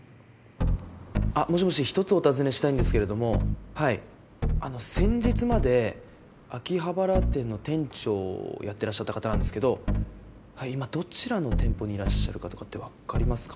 あもしもしひとつお訊ねしたいんですけれどもはいあの先日まで秋葉原店の店長をやってらっしゃった方なんですけど今どちらの店舗にいらっしゃるかとかって分かりますか？